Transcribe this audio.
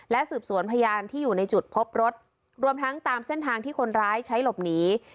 สืบสวนพยานที่อยู่ในจุดพบรถรวมทั้งตามเส้นทางที่คนร้ายใช้หลบหนี